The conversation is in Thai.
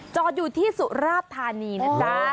จอดอยู่ที่สุราธานีนะจ๊ะ